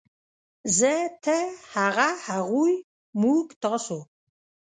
زۀ ، تۀ ، هغه ، هغوی ، موږ ، تاسو